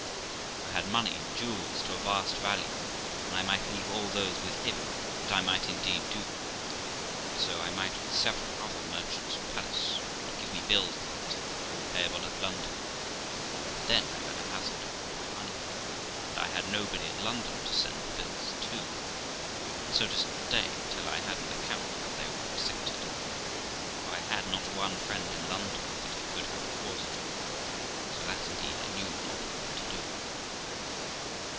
I had money and jewels to a vast value, and I might leave all those with him; that I might indeed do; and so I might with several other merchants in Paris, who would give me bills for it, payable at London; but then I ran a hazard of my money, and I had nobody at London to send the bills to, and so to stay till I had an account that they were accepted ; for I had not one friend in London that I could have recourse to, so that indeed I knew not what to do.